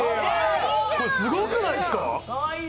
これすごくないですか？